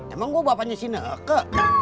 emang gue bapaknya si nake